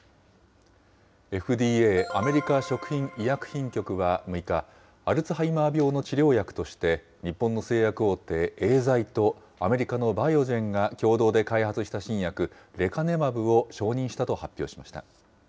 ＦＤＡ・アメリカ食品医薬品局は６日、アルツハイマー病の治療薬として、日本の製薬大手、エーザイとアメリカのバイオジェンが共同で開発した新薬、レカネマブを承認したと発表しました。